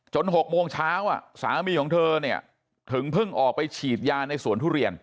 ๖โมงเช้าสามีของเธอเนี่ยถึงเพิ่งออกไปฉีดยาในสวนทุเรียน